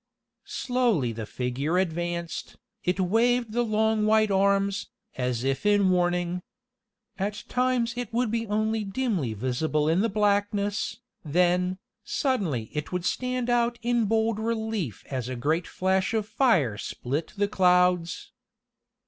Slowly the figure advanced, It waved the long white arms, as if in warning. At times it would be only dimly visible in the blackness, then, suddenly it would stand out in bold relief as a great flash of fire split the clouds.